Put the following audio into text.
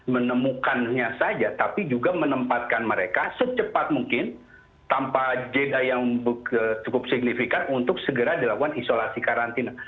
menemukannya saja tapi juga menempatkan mereka secepat mungkin tanpa jeda yang cukup signifikan untuk segera dilakukan isolasi karantina